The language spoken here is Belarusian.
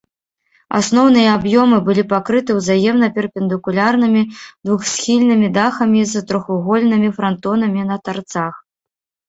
Асноўныя аб'ёмы былі пакрыты ўзаемна перпендыкулярнымі двухсхільнымі дахамі з трохвугольнымі франтонамі на тарцах.